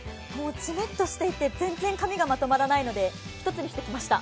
ジメッとしていて全然髪がまとまらないので、１つにしてきました。